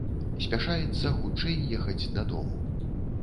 Спяшаецца хутчэй ехаць дадому.